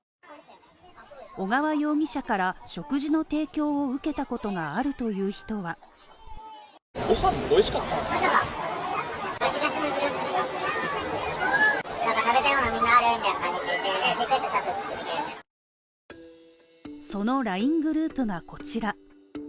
小川容疑者から食事の提供を受けたことがあるという人はそのＬＩＮＥグループがこちら。